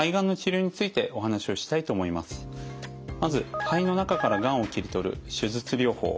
まず肺の中からがんを切り取る手術療法。